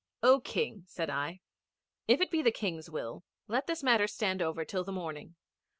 'O King,' said I. 'If it be the King's will let this matter stand over till the morning.